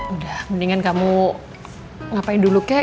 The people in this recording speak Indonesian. udah mendingan kamu ngapain dulu kek